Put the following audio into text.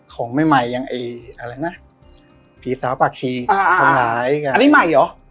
ของใหม่อย่างผีสาวปากชีอันนี้ใหม่หรอ